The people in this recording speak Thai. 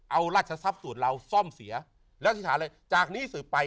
เอาราชทรัพย์สูตรเราซ่อมเสียแล้วอธิษฐานเลยจากนี้สืบไป